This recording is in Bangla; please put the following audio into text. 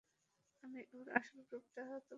আমি ওর আসল রূপটা তোমাকে দেখাতে চেয়েছিলাম।